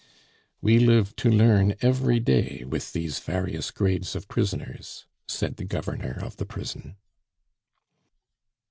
"We live to learn every day with these various grades of prisoners," said the Governor of the prison.